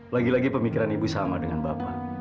lagi lagi pemikiran ibu sama dengan bapak